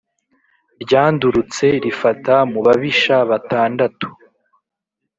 ryandurutse rifata mu babisha batandatu,